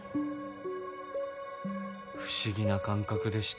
不思議な感覚でした。